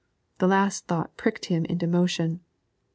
The last thought pricked him into motion.